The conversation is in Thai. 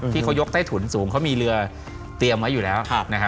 ที่เขายกใต้ถุนสูงเขามีเรือเตรียมไว้อยู่แล้ว